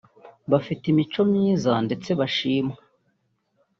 bafite imico myiza ndetse bashimwa